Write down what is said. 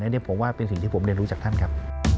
อันนี้ผมว่าเป็นสิ่งที่ผมเรียนรู้จากท่านครับ